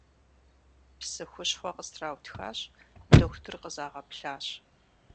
Псы хущхъуэ къыстраутхащ, дохутыр къызагъэплъащ.